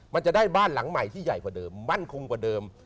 มันจะได้บ้านหลังใหม่ที่ใหญ่กว่าเดิมมั่นคงกว่าเดิม